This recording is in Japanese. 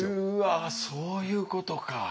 うわそういうことか。